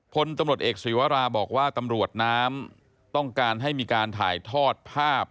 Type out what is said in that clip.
พลตำรวจเอกศีวราบอกว่าตำรวจน้ำต้องการให้มีการถ่ายทอดภาพ